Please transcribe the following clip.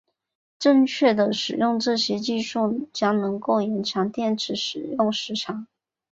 正确的使用这些技术将能够延长电池使用时间。